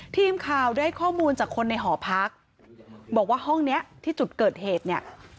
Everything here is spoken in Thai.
ทีมข่าวได้ข้อมูลจากคนในหอพักบอกว่าห้องเนี้ยที่จุดเกิดเหตุเนี่ย